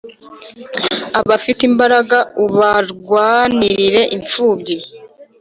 Abafite imbaraga ubarwanirire inpfubyi